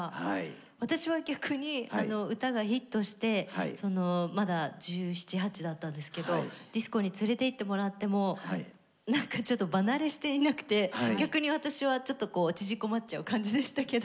私は逆に歌がヒットしてまだ１７１８だったんですけどディスコに連れていってもらってもなんかちょっと場慣れしていなくて逆に私はちょっとこう縮こまっちゃう感じでしたけど。